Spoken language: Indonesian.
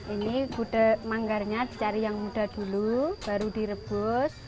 ini gudeg manggarnya dicari yang muda dulu baru direbus